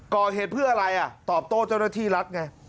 ก่อเหตุเพื่ออะไรอ่ะตอบโต้เจ้าหน้าที่รัฐไง